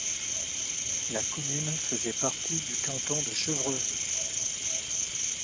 La commune faisait partie du canton de Chevreuse.